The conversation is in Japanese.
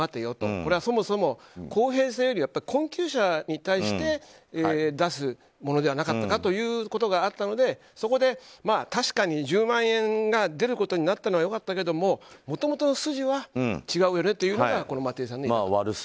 これは、そもそも公平性より困窮者に対して出すものではなかったかということがあったのでそこで、確かに１０万円が出ることになったのはよかったけども、もともとの筋は違うよねというのが松井市長の言い分になります。